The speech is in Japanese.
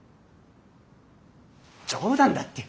冗談だって。